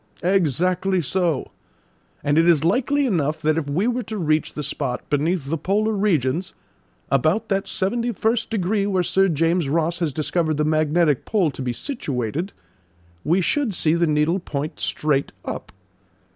"Exactly so; and it is likely enough that if we were to reach the spot beneath the polar regions, about that seventy first degree where Sir James Ross has discovered the magnetic pole to be situated, we should see the needle point straight up.